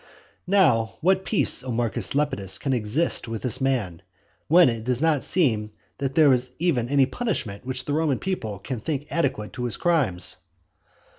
X. Now what peace, O Marcus Lepidus, can exist with this man? when it does not seem that there is even any punishment which the Roman people can think adequate to his crimes?